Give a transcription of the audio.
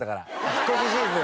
引っ越しシーズン。